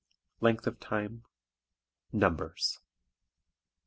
Length of Time. Numbers.